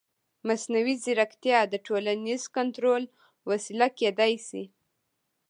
مصنوعي ځیرکتیا د ټولنیز کنټرول وسیله کېدای شي.